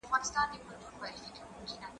زه کولای سم کښېناستل وکړم!؟